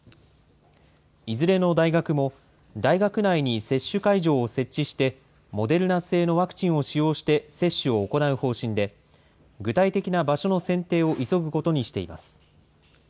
いずれの大学も大学内に接種会場を設置して、モデルナ製のワクチンを使用して接種を行う方針で、具体的な場所の選定を急ぐことにしています。